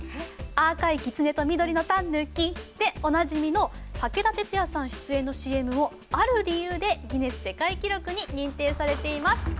あかいきつねと緑のたぬきでおなじみの武田鉄矢さん出演のＣＭもある理由でギネス世界記録に認定されています。